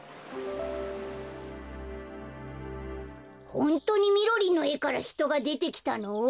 ホントにみろりんのえからひとがでてきたの？